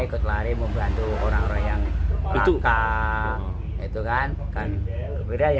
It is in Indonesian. kalau kayaknya berat ada ya